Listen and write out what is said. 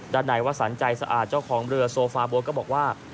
ด้านในวสันใจสะอาดเจ้าของเรือโซฟาบัวก็บอกว่า